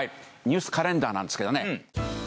ニュースカレンダーなんですけどね。